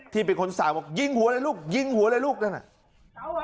ที่เป็นคนสามยิงหัวเลยลูกยิงหัวเลยลูกนั่นแหละ